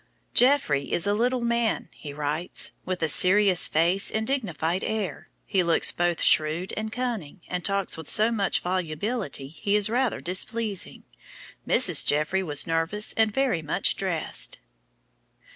"Jeffrey is a little man," he writes, "with a serious face and dignified air. He looks both shrewd and cunning, and talks with so much volubility he is rather displeasing.... Mrs. Jeffrey was nervous and very much dressed."